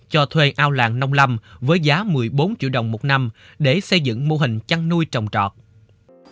cho thuê ao làng nông lâm với giá một mươi bốn triệu đồng một năm để xây dựng mô hình chăn nuôi trồng trọt